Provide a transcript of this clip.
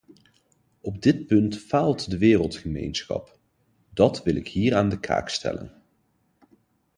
Op dit punt faalt de wereldgemeenschap, dat wil ik hier aan de kaak stellen.